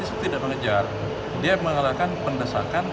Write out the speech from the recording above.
ini tidak ada tersengajaan melakukan